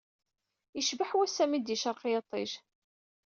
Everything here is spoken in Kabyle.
Yecbeḥ wassa mi d-yecreq yiṭij